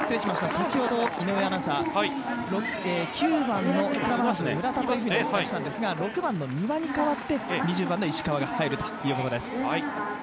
先ほど井上アナウンサー、９番のスクラムハーフ、村田というふうにお伝えしたんですが、６番の三羽に代わって２０番の石川が入るということです。